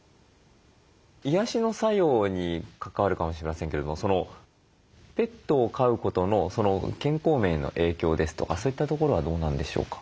癒やしの作用に関わるかもしれませんけれどもペットを飼うことの健康面への影響ですとかそういったところはどうなんでしょうか？